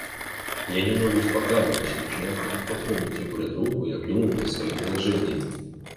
Я немного успокаиваюсь и начинаю ходить по комнате, куря трубку и обдумывая свое положение.